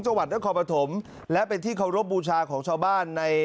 จังหวัดนครปฐมและเป็นที่เคารพบูชาของชาวบ้านใน